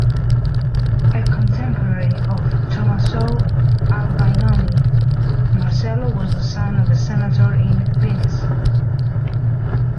A contemporary of Tomaso Albinoni, Marcello was the son of a senator in Venice.